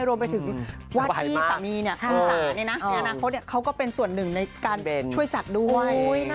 รวมไปถึงวาดที่สามีคุณสาในอนาคตเขาก็เป็นส่วนหนึ่งในการช่วยจัดด้วย